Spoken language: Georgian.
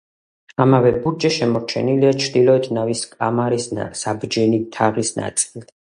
ამავე ბურჯზე შემორჩენილია ჩრდილოეთ ნავის კამარის საბჯენი თაღის ნაწილი.